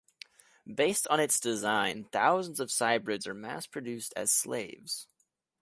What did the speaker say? Based on its design, thousands of cybrids are mass-produced as slaves.